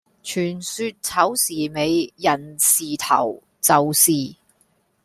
傳說丑時尾寅時頭就是